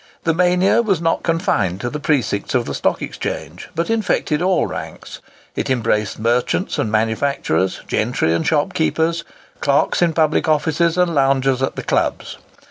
The mania was not confined to the precincts of the Stock Exchange, but infected all ranks. It embraced merchants and manufacturers, gentry and shopkeepers, clerks in public offices, and loungers at the clubs.